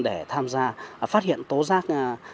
để tham gia phát hiện tố giác